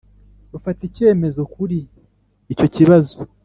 rufata icyemezo kuri icyo kibazo